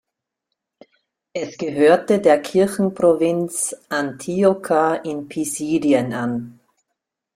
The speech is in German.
Es gehörte der Kirchenprovinz Antiochia in Pisidien an.